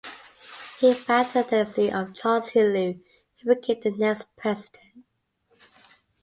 He backed the candidacy of Charles Helou who became the next president.